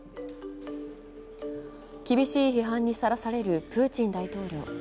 厳しい批判にさらされるプーチン大統領。